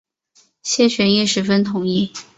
谢玄亦十分同意。